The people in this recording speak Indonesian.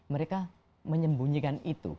mereka menyembunyikan itu